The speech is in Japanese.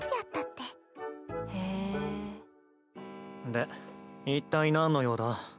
で一体なんの用だ？